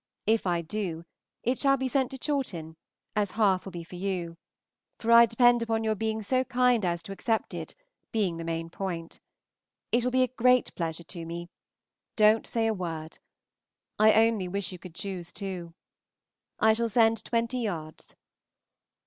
If I do, it shall be sent to Chawton, as half will be for you; for I depend upon your being so kind as to accept it, being the main point. It will be a great pleasure to me. Don't say a word. I only wish you could choose too. I shall send twenty yards.